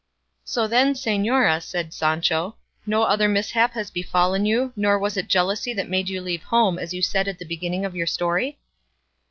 "So then, señora," said Sancho, "no other mishap has befallen you, nor was it jealousy that made you leave home, as you said at the beginning of your story?"